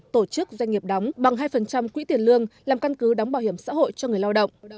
tổ chức doanh nghiệp đóng bằng hai quỹ tiền lương làm căn cứ đóng bảo hiểm xã hội cho người lao động